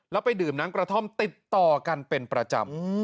แล้วไปดื่มน้ำกระท่อมติดต่อกันเป็นประจำ